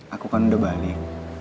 aku kan udah balik